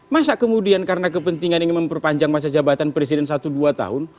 masa kemudian karena kepentingan ingin memperpanjang masa jabatan presiden satu dua tahun